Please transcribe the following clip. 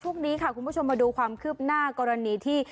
พรุ่งนี้ค่ะคุณผู้ชมมาดูความคืบหน้ากรณีที่